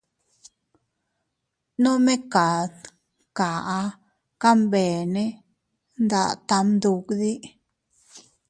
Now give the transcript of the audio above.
Nome kad kaʼa kanbene nda tam duddi.